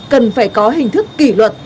cần phải có hình thức kỷ luật